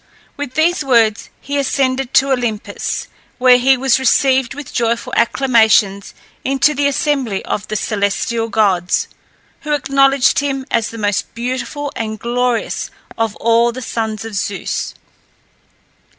With these words he ascended to Olympus, where he was received with joyful acclamations into the assembly of the celestial gods, who acknowledged him as the most beautiful and glorious of all the sons of Zeus.